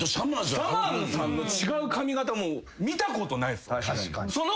さまぁずさんの違う髪形見たことないっす。